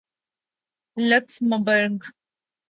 Luxembourg